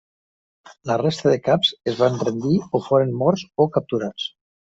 La resta de caps o es van rendir o foren morts o capturats.